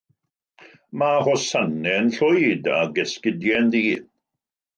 Mae hosanau'n llwyd, ac esgidiau'n ddu.